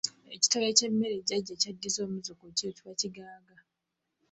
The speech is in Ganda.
Ekitole ky’emmere jajja kyaddiza omuzzukulu kiyitibwa Kigaaga.